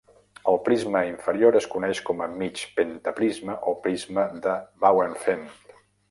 El prisma inferior es coneix com a mig pentaprisma o prisma de Bauernfeind.